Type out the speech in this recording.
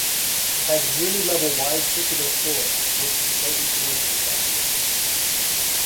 It has a nearly level wide circular floor that slopes slightly towards the southeast.